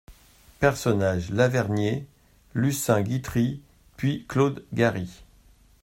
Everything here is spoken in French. Personnages Lavernié, Lucien Guitry, puis Claude Garry.